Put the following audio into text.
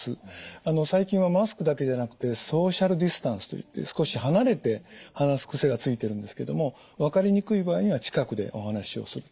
あの最近はマスクだけじゃなくてソーシャルディスタンスといって少し離れて話す癖がついてるんですけども分かりにくい場合には近くでお話をすると。